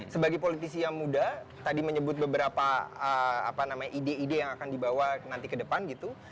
sebagai politisi yang muda tadi menyebut beberapa ide ide yang akan dibawa nanti ke depan gitu